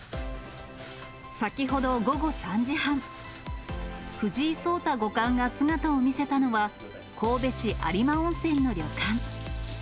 先ほど午後３時半、藤井聡太五冠が姿を見せたのは、神戸市有馬温泉の旅館。